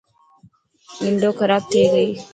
ونڊو خراب ٿي گئي.